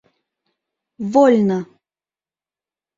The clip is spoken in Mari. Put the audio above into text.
Во-ольно!